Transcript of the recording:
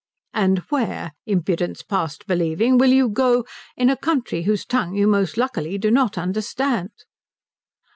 "And where, Impudence past believing, will you go, in a country whose tongue you most luckily do not understand?"